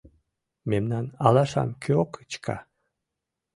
Мемнан алашам кӧ кычка?